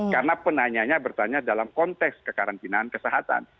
karena pertanyaannya bertanya dalam konteks kekarantinaan kesehatan